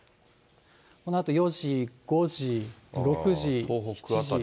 このあと４時、５時、６時、７時、８時、９時。